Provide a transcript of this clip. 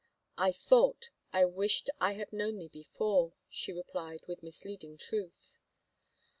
" I thought — I wished I had known thee before," she replied with misleading truth.